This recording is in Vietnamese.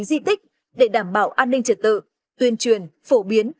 bàn quản lý di tích để đảm bảo an ninh trật tự tuyên truyền phổ biến